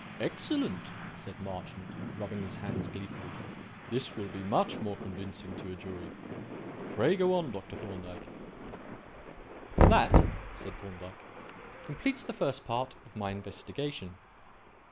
"Excellent!" said Marchmont, rubbing his hands gleefully; "this will be much more convincing to a jury. Pray go on, Dr. Thorndyke." "That," said Thorndyke, "completes the first part of my investigation.